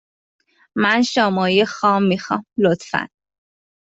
من شاه ماهی خام می خواهم، لطفا.